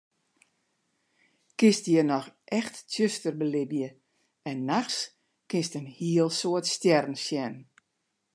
Kinst hjir noch echt tsjuster belibje en nachts kinst in heel soad stjerren sjen.